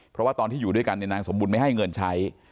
เพราะว่าตอนที่อยู่ด้วยกันนางสมบุญไม่ให้เงินใช้